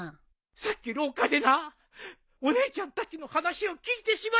さっき廊下でなお姉ちゃんたちの話を聞いてしまったんじゃ。